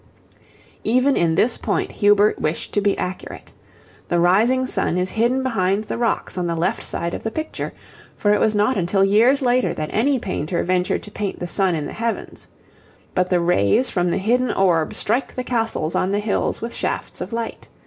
Even in this point Hubert wished to be accurate. The rising sun is hidden behind the rocks on the left side of the picture, for it was not until years later that any painter ventured to paint the sun in the heavens. But the rays from the hidden orb strike the castles on the hills with shafts of light.